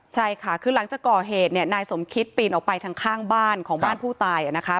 ใช่ค่ะคือหลังจากก่อเหตุเนี่ยนายสมคิตปีนออกไปทางข้างบ้านของบ้านผู้ตายนะคะ